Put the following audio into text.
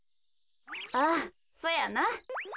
ああそやな。